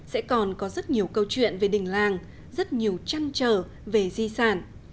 sẽ còn có rất nhiều câu chuyện về đình làng rất nhiều trăn trở về di sản